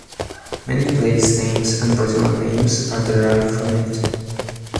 Many place names and personal names are derived from it.